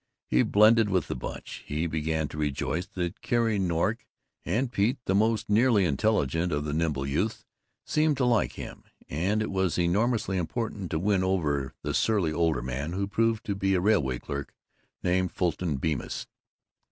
He blended with the Bunch. He began to rejoice that Carrie Nork and Pete, the most nearly intelligent of the nimble youths, seemed to like him; and it was enormously important to win over the surly older man, who proved to be a railway clerk named Fulton Bemis.